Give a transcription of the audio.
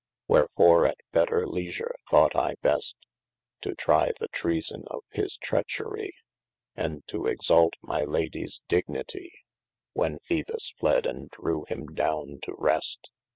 Wherefore at better leasure thought I best, To trie the treason of his trecherie : And to exalt my Ladies dignitie When Phoebus fled and drewe him downe to rest.